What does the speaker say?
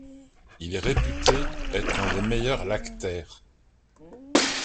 Il est réputé être un des meilleurs lactaires.